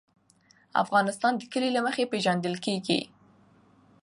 افغانستان د کلي له مخې پېژندل کېږي.